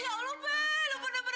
siapa itu siapa